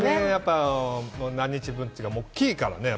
何日分というか、大きいからね。